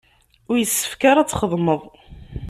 Ur yessefk ara ad txedmeḍ.